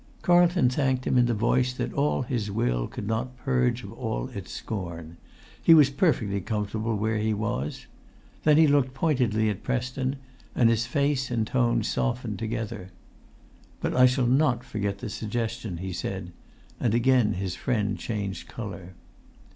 Carlton thanked him in the voice that all his will could not purge of all its scorn; he was perfectly comfortable where he was. Then he looked pointedly at Preston, and his face and tone softened together. "But I shall not forget the suggestion," he said; and again his friend changed colour.